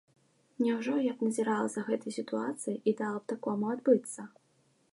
Няўжо я б назірала за гэтай сітуацыяй і дала б такому адбыцца!?